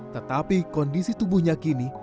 tetapi kondisi tubuhnya kini